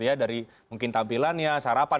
ya dari mungkin tampilannya sarapan